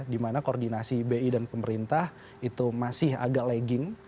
dimana koordinasi bi dan pemerintah itu masih agak lagging